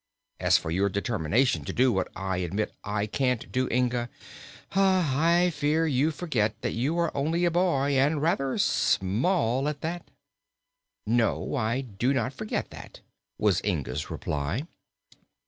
As for your determination to do what I admit I can't do, Inga, I fear you forget that you are only a boy, and rather small at that." "No, I do not forget that," was Inga's reply.